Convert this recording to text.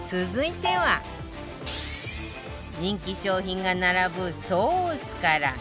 続いては人気商品が並ぶソースから